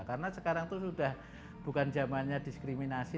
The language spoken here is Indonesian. karena sekarang itu sudah bukan zamannya diskriminasi